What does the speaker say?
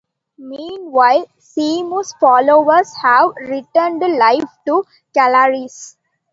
Meanwhile, Semu's followers have returned life to Klaris.